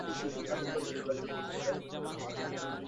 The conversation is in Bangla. এত কাছেও হারুর মুখ ঝাপসা হইয়া যায়।